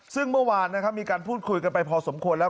ซึ่งเมื่อวานนะครับมีการพูดคุยกันไปพอสมควรแล้ว